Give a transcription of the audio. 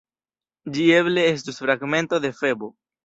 Ĝi eble estus fragmento de Febo.